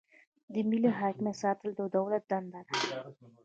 د ملي حاکمیت ساتل د دولت دنده ده.